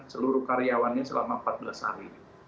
seluruh karyawannya selama empat belas hari